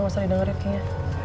gak usah ngedengar rektinya